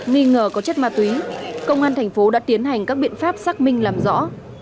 nghi ngờ có chất ma túy công an thành phố đã tiến hành các biện pháp xác minh làm rõ